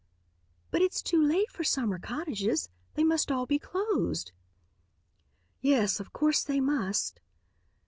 "But it's too late for summer cottages. They must all be closed." "Yes, of course they must."